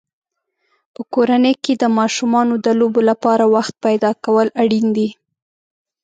په کورنۍ کې د ماشومانو د لوبو لپاره وخت پیدا کول اړین دي.